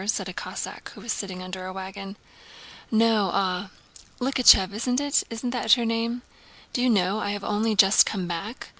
said a Cossack who was sitting under a wagon. "No, ah... Likhachëv—isn't that your name? Do you know I have only just come back!